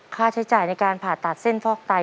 ค่าใช้จ่ายในการผ่าตัดเส้นฟอกไต